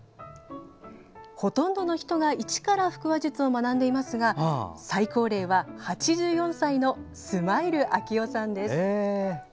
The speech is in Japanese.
ほとんどの人が一から腹話術を学んでいますが最高齢は８４歳のスマイルあきおさんです。